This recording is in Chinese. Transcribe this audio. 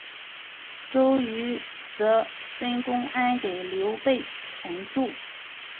周瑜则分公安给刘备屯驻。